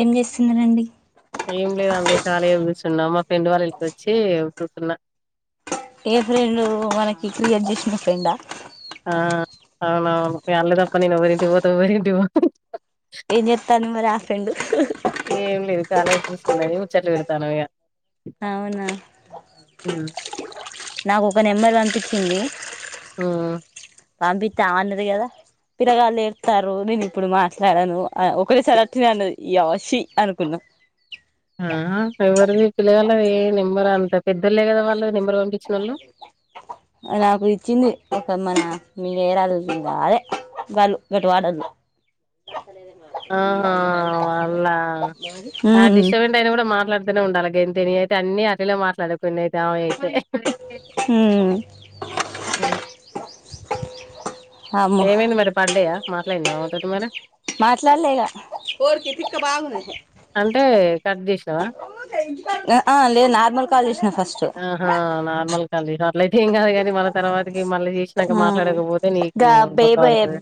ఏం జే స్తున్నారండి ఏం లేదండి కాలీగ గూచున్నాం మా ఫ్రెండ్ వాళ్ ఏ ఫ్రెండు మనకి క్రియేట్ జేసిన ఫ్రెండా ఆ అవునవును అళ్లేదప్ప నేను ఎవరింటికి పోత ఎవరింటికి వోన్ ఏం జెత్తంది మరి ఆ ఫ్రెండు కూసున్నది ముచ్చట్లు పెడతనం ఇగ అవునా హ్మ్ నాకు ఒక నెంబర్ పమ్పించింది హ్మ్. పంపితా అన్నది కదా పిలగాల్ ఏడుతారు నేను ఇప్పుడు మాట్లాడను ఆ ఒకటెసారి అట్లనే అన్నది యా శి అనుకున్నా ఆ ఎవరిది పిల్లవాల ఏ నెంబరు అంత పెద్దళ్లే కదా వాళ్ళు నెంబరు పంపించిన వాళ్ళు నాకు ఇచ్చింది ఒక మ మీ నేరల్ అదే బలు గట్ వాడళ్ళు ఆహా వాళ్ళ ఆ ఉమ్ డిస్టబెంట్ అయిన కూడా మాట్లాడ తనే ఉండాల తని గంతే నే అయితే అన్ని అటలే మాట్లాడుకున్న తాయ్ ఉమ్ అమ్మో ఏమైంది మరి పడ్డాయా మాట్లాడినా వ మామతోటి మరి మాట్లాడలే ఇగా అంటే కట్ జేసినవ అ ఆ లేదు నార్మల్ కాల్ జెస్ ఆహా నార్మల్ జెస్ అట్లయితే ఎం కాదు గానీ మనక్ తర్వాతకి మళ్ళీ చేసినాక ఆ మాట్లాడకపోతే నీకు గా బేబే బక్కవడుతది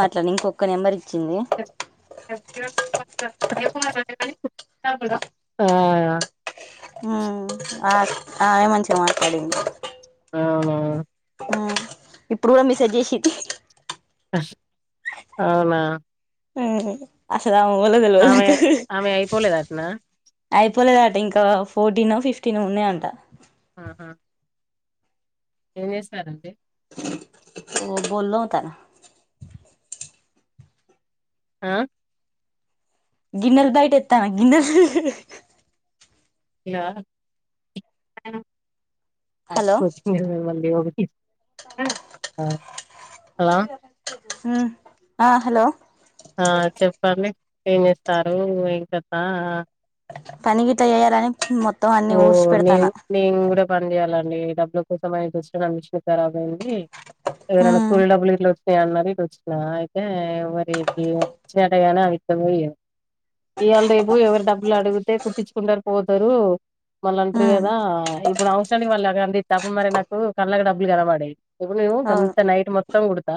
మాట్లాన్న ఇంకొక్క నంబర్ ఇయ్ - [unintelligible] [unintelligible] ఆ ఆ ఆమె మంచిగా మాట్లాడింది అవునా ఉమ్ ఇప్పుడు కూడా మెసేజ్ చేసిన్ అవునా ఉమ్ అసలు ఆమె ఎవల్లో తెల్వదు ఆమె నాకు ఆమె అయిపోలేదు అటనా పోలేదట ఇంకా ఫోర్టీన్ ఫిఫ్టీన్ ఉన్నాయంట ఆహా ఏం జేస్తారండి ఓ బోల్లోతనా ఆ గిన్నెల్ బయట ఎత్తా గిన్నెల్ హలో ఆ హలో కొత్తీమీర ఇవ్వండి ఒకటి హలో ఆ హలో ఏమ్ చేస్తున్నారు ఏం కథ ఆ పనికి తాయరు అయ్యాం [unintelligible] ఓ నిన్ నిన్ కూడాం బంద్ చేయాలండి డబ్బులు కోసం ఈ కూర్చి లో కూర్చుబెట్టారు ఏమోనండి ఏవన్నా కూలీ డబ్బులు గిట్లా వస్తే ఈ అంగడికి వచ్చినాక మరి [unintelligible] అయితే పో ఇవాళ రేపు ఎవరు డబ్బులు అడిగితే కుట్టించుకుంటారు పోతారు మళ్ళా అంటారు కదా ఇప్పుడు అవసరానికి వాళ్ళు అదే అండి పాపం మరి నాకు కళ్ళకు డబ్బులు కనపడ్డాయి ఇప్పుడు కొంత అవును అంత నైట్ మొత్తం కుడతా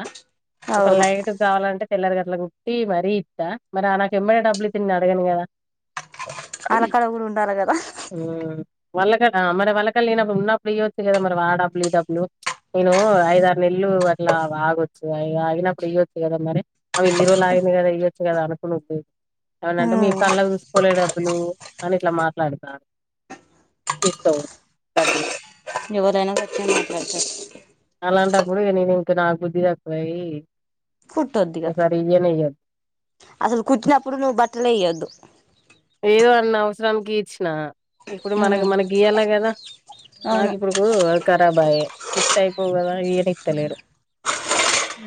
ఒక అవును నైట్ కావాలంటే తెల్లరి గట్లా కుట్టి మరీ ఇత్తా మరి ఆ నాకు ఎమ్మడే డబ్బులు ఇత్తే నిను అడగను కదా అల్ల కూడా ఉండాల కదా వాళ్ళకడ మరి వాళ్ళకళ్ళ లేనప్పుడు ఉన్నప్పుడు ఇయ్వొచ్చు కదా మరి ఆ డబ్లు ఈడబ్లు నిను ఒక ఆరు నెలలు అట్లా ఆగొచ్చు కదా ఆగినప్పుడు ఇవ్వచ్చు కదా మరి అవ్ ఇన్ని రోజులు ఆగింది కదా ఇవ్వొచ్చు కదా అనుకునింది ఏమంటంటే మీరు కళ్ళకు చూసుకోలే డబ్బులు అని ఇట్లా మాట్లాడుతారు ఇస్తావు ఎబ్బుడు ఎవరైనా గట్లే మాట్లాడతారు అలాంటప్పుడు నేను ఇంకా నాకు బుద్ధి వస్తున్నాయి కుట్టొద్దిగా ఒకసారి ఇవ్యనే ఇవ్వను అసలు కుట్టినప్పుడు నువ్వు బట్టలే ఇయ్యద్దు ఏదో అన్న అవసరానికి ఇచ్చిన ఇప్పుడు మనకి ఉమ్ మన గీయాలా కదా నాకు అవును ఇప్పుడు అది కారబ్ అయే ఇత్త అయిపో కదా ఈయనే ఇత్తలేరు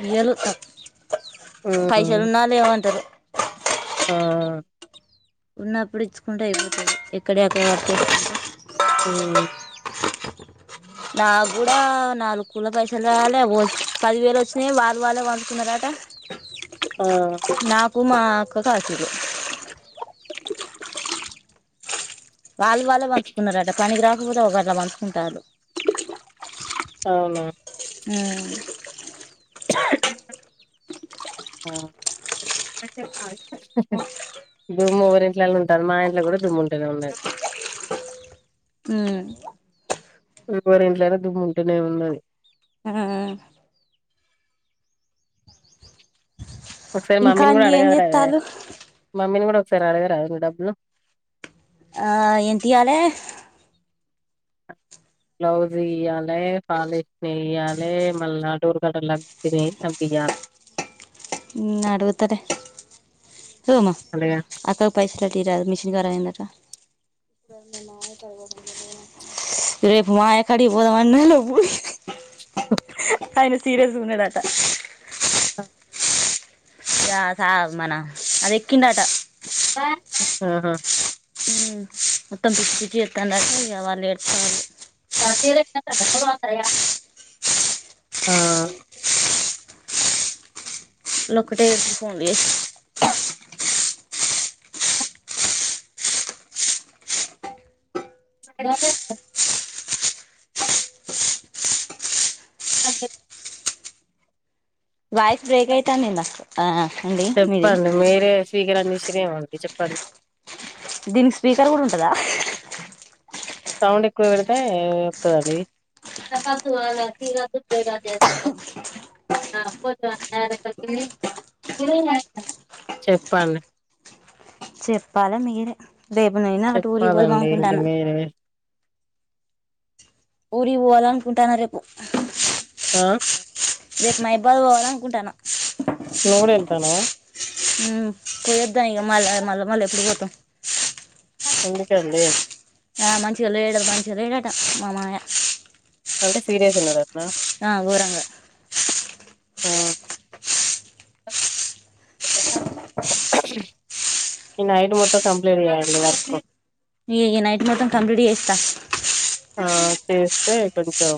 ఇయ్యాను పైసలు హ్మ్. ఉన్నావాల్లు ఏమంటారొ ఆ ఉన్నప్పుడు ఇచ్చుకుంటే అయిపొతాది మ్మ్ నాకు కూడా నాలుగు కూళ్ల పైసలు రావాలి పదివేలు వచ్చినాయి వాళ్ళు వాళ్ళే పంచుకున్నారట ఆ నాకు మా అక్కకు అసల్ ఇలే వాళ్ళు వాళ్ళే పంచుకున్నారట పనికి రాకపోతే ఒక అట్లా పంచుకుంటారు అవునా అవున్ ఆ దూమ్ము ఎవరింట్లో అయిన ఉంటాది మా ఇంట్లో కూడా దుమ్ము ఉంటాది మళ్ళా అన్ ఎవరి ఇంట్లోయినా దుమ్ముంటూనే ఉన్నది ఆ ఒకసారి ఇంకా మమ్మీని కూడా అండి అడగ ఏం రాయే చేత్తాలు మమ్మీని కూడా ఒకసారి అడగరాదే డబ్బులు ఆ ఎంత ఇయ్యాలే బ్లౌజ్ ఇయ్యాలే పాల్ష్ సే ఎయ్యాలే మళ్ళా డొర్ కటన్ లు అన్నిటివి వేస్ అంపి ఇయ్యాల్ మ్మ్ అడుగుతాలే పొమా అంతేగా అక్కకు పైసాల్ [unintelligible] రా మిషన్ కరాబ్ అయిదంటా రేపు మామయ్య కాడికి పోదమాన్నలే పడుస్ ఆయన సీరియస్ గా ఉన్నడంటా ఆ యా కాద్ మన అది ఎక్కిండాంట ఆహా మ్మ్ మొత్తం పిచ్చి పిచ్చి చెస్తాండట ఇగ వాళ్ళు ఏడ్తాంర్రు కాఫీ లేకి మరి బెల్లం కూడా అవుతాయ ఆ వాలోక్కటే ఫోన్లే ఎవరు జేతాన్లు అరే వాయిస్ బ్రేక్ అయితాన్ది ఏంది అక్క చెప్పండి మీరే స్పీకర్ ఆన్ చేసిర్రో ఏమో చెప్పండి దీనికి స్పీకర్ కూడా ఉంటందా సౌండ్ ఎక్కువ పెడితే వస్తదండి త త అగా తీగా దగాద [unintelligible] చెప్పండి చెప్పాలా మీరే రేపు నేను అటు ఊరికి పోదాం చెప్పాలండి ఇంకా అనుకుంటాన్న మీరే ఊరికి పోవాల అనుకుంటాన్న రేపు ఆ రేపు మైబాద్ పోవాల అనుకుంటన్నము నూవ్గూడ ఎల్తాన్నవా పోయొద్దామ్ ఇగ మళ్ళా మళ్ళా మళ్ళ ఎప్పుడు పోతాం ఎందుకండి ఆ మంచిగా లేడు మంచిగా లేడట మా మామయ్య అంటే సీరియస్ ఉన్నాడటన ఆ గోరంగా ఆ ఈ నైట్ మొత్తం కంప్లీట్ చెయ్యండి ఈ ఈ నైట్ మొత్తం కంప్లీట్ చేస్తా ఆ చేస్తే కొంచెం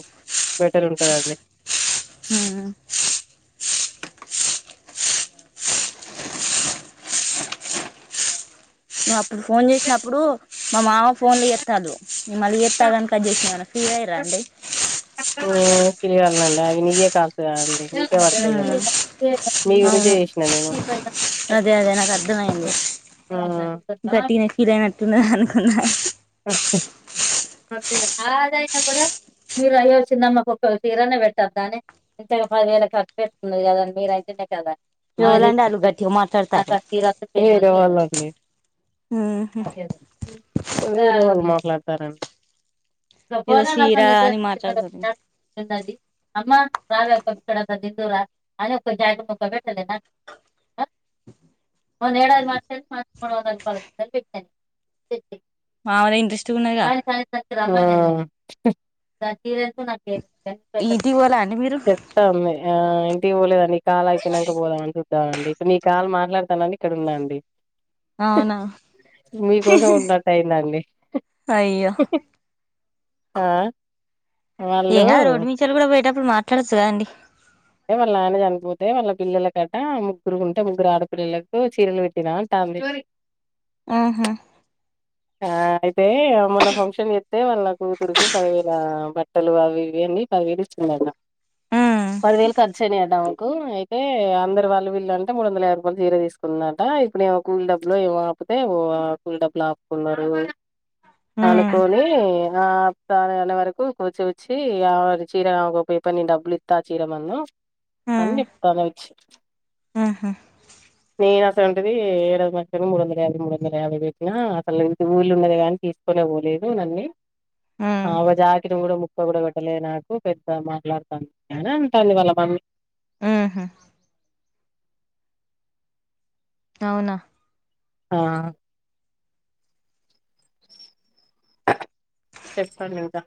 బెటర్ ఉంటది అండి ఉమ్ నువ్వు అప్పుడు ఫోన్ చేసినప్పుడు మా మామ ఫోన్లు చేస్తాన్డు మళ్ళీ చేత్త ఆగు అని కట్ చేసిన టీ తాగిర్రా ఆన్డి ఏమ్ తిరిగలనండి అవి నియ్యే కాల్స్ కాండి వతాయి ఉమ్ కదా మీ గురించే అవును చేసిన నేను ఆ గట్టిగనే ఫీల్ అయినట్టున్నది అనుకున్నా ఆదైనా కూడా మీరు అయ్యో చిన్నమ్మాకు ఒక చీరన్న పెట్టద్దానే ఇంక పది వేల ఖర్చు పెట్టుకున్నది కద మీరు అయితే కదా మరి ఎవలంటే వాళ్ళు గట్టిగా నాకు మాట్లాడతారు ఆ చీర అద్దు ఏవళ్లకు లేదు ఉహు మాట్లాడుతారంటా ఏదో చీరా అని మాట్లాడతారు న్నది అమ్మా రావే ఒక బుక్కడంత తిన్దువు రా అని ఒక జాకిటి ముక్క పెట్టలే నా మొన్న ఏడది మాసికనికి మనిషికి మూడు వందల రూపాల చీరలు పెట్టిన ఆమెదే ఇంట్రెస్ట్ ఉన్నదిగా ఆ దాని చీరేంతో నాకు ఎరుకే ఇంటికి పోలే అండి మీరు చెప్స్తా ఉన్న ఆ ఇంటికి పోలేదండి నీ కాలు అయిపోయినాక పోదాం అని చూస్తున్నండి ఇప్పుడు నీ కాలు మాట్లాతానని ఇక్కడ ఉన్నా అండి అవునా సైందడి అయ్యో ఆ ఏం వాళ్ళు కాదు రోడ్డు మీదించేలి కూడా పోయేటప్పుడు మాట్లాడచ్చుగదా అండి వాళ్ళ ఆయన చనిపోతే వాళ్ళ పిల్లలకి కటా ముగ్గురు ఉంటే ముగ్గురు ఆడపిల్లలకు చీరలు పెట్టినాంట అంటుంది ఆహా ఆ అయితే మొన్న ఫంక్షన్ చేస్తే వాళ్ళ కూతురుకు పదివేల బట్టలు అవి ఇవన్నీ అన్ని పదివేలు ఇచ్చి పోయిండట ఆహా పదివేలు ఖర్చు అయినాయట మాకు అయితే అందరు వాళ్ళ వీళ్ళంటే మూడు వందల యాబై రూపాయలు చీర తీసుకున్నారు అంట ఇప్పుడ ఆ కూల్ డబ్బులు ఏమొ ఆపితే కూ డబ్బులు ఆపు కున్నారు అనుకొని ఆ చాలా ఏళ్ళ వరకు పూసా గుచ్చి అది చీర ఆమెకు ఒప్ప చెప్పి నేను డబ్బులు ఇత్తా ఆ చీర మందం ఆ అన్ని ప్పదోచ్ ఆహా నేను అస్ ఏంటిది ఏడందలది మూడు వందల యాభై మూడు వందల యాభై బెట్టినా ఏంది ఊళ్ళో ఉన్నది గాని తీసుకోబోలేదు నన్నీ ఆ ఒక జాకట్ కూడా ముట్ పోగుడా పెట్టలే నాకు పెద్ద మాట్లాడుతాంది అయినా అంతా వాళ్ళ మమ్మీ ఆహా అవునా ఆ చెప్పండి ఇంకా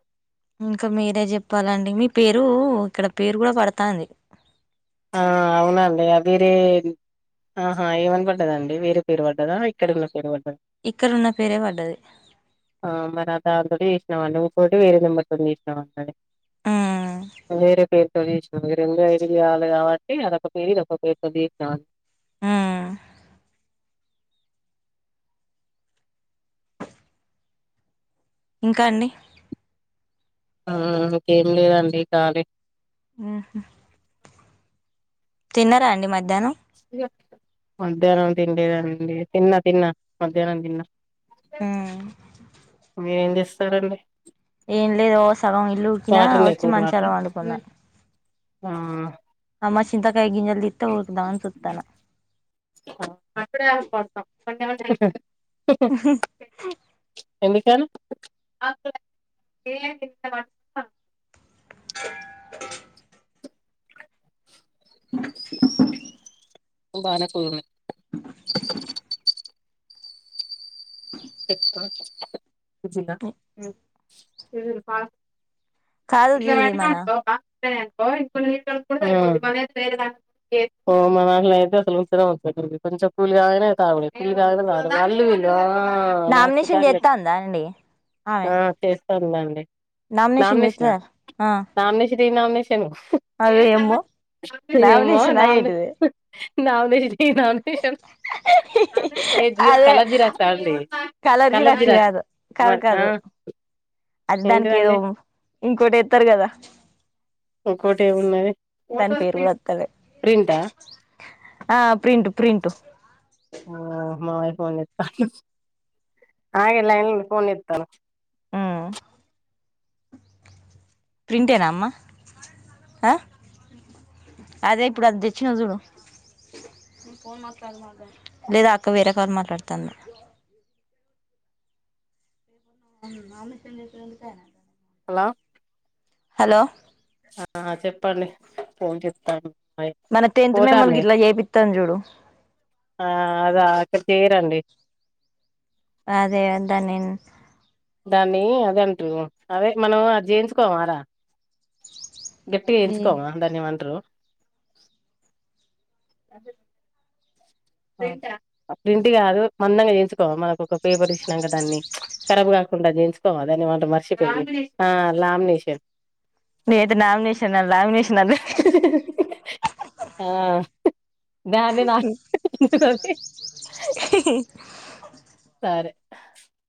ఇంకా మీరే చెప్పాలండి మీ పేరు ఇక్కడ పేరు గూడా పడతాంది ఆ అవునండి అదిరే ఆహా ఏమని పడ్డదండి వేరే పేరు పడ్డదా ఇక్కడన్న పేరు పడ్డ ఇక్కడున్న పేరే పడ్డది దానీతోటే చేసినా మండి ఇంకోటి వేరే నెంబర్తో చేసినా మండి ఉమ్, వేరే పేరు పేరుతో జేసినం రెండు ఐడి లు గావాలి కాబట్టి అదొక పేరు ఇది ఒక పేరుతో జెసినం మ్మ్ ఇంకా అండి మ్మ్ ఇంకేం లేదండి కాలి తిన్నరాండి మధ్యాహ్నం తింలేదండి తిన్నా తిన్నా మధ్యాహ్నం తిన్నా ఉమ్. మీరేం చేస్తారండి ఏం లేదో ఓ సగం ఇల్లు ఉకినా వచ్చి మంచానా పండుకున్న ఆ అమ్మా చింతకాయ గింజల్ దీతే ఉకుదామని సూతాన [unintelligible] ఎందుకని బానే [unintelligible] [unintelligible] కాదు ఇట్లా ఇది పడినా మన వనుకో బాక్తే మన కిలి అయితే అసలు [unintelligible] సప్పుడు కంగానే తాగుడు [unintelligible] ఆహా నామినేషన్ చికాకులే చేత్తాందా అండి ఆమె ఆ చేస్తాందండి. నామినేషన్ ఆ నామినేషన్ నామినేషన్ అవి ఏమో ఏమో నామినేషనా నా ఏంటిది నామినేషన్ ఏయ్ నామినేషన్ ఏ జి అదే కలర్ జిరాక్స్లు యాడున్నాయి కలర్ జిరాక్స్ కాదు కాదు ఆ కాదు అది దానికి ఏదో ఏంటిదండి ఇంకోటి ఎత్తరు గదా ఇంకోటి ఏమిన్నుది పేరు కూడా వత్తలే ప్రింటా ఆ ప్రింటూ ప్రింటూ ఆ మావయి ఫోన్ జెతాండు ఆ ఇగ లైన్లో ఉండు ఫోన్ జేత్తాను మ్ ప్రింటెనమ్మ ఆ అదే ఇప్పుడు అది తెచ్చినవ్ జుడు లేదక్క వేరే కాల్ మాట్లాడతన్న ఆమె [inaudible] హలో హలో ఆ చెప్పండి ఫోన్ చేత్తాండి మన టెన్త్ మెమోలకి పోతాంది ఇట్లా చేపిత్తాం చూడు ఆ [unintelligible] చేయరండి అదే అద్దని దాన్ని అదంటు అదే మనం అది చేయించుకోవాల గట్టిగా ఏయించుకోమా దాన్ని ఏమో అంటారు ప్రింట్ కాదు మందంగా చేయించుకోమా మాకొక పేపర్ ఇచ్చినాక దాన్ని కరాబ్ కా కుండా అది చేయిస్తాం దాన్నేమంటాం మర్చిపోయిన ఆ ల్యామినేషన్ లేదు నామినేషనా, ల్యామినేషనా అ ఆ దాన్ని [inaudible] సరే